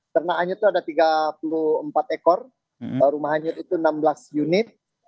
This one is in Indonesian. ternak anyut itu ada tiga puluh empat ekor rumah hanyut itu enam belas unit